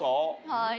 はい。